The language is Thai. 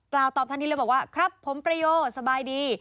กล่าวตอบทันทีเลยบอกว่าครับผมประโยสบายดี